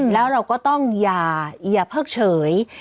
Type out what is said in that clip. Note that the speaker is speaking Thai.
แล้วเราก็ต้องอย่าเพิ่งเฉย